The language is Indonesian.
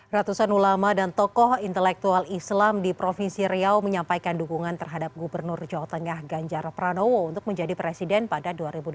ratusan ulama dan tokoh intelektual islam di provinsi riau menyampaikan dukungan terhadap gubernur jawa tengah ganjar pranowo untuk menjadi presiden pada dua ribu dua puluh